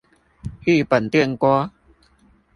日本電鍋